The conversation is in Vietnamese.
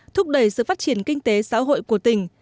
thúc đẩy sự phát triển kinh tế xã hội của tỉnh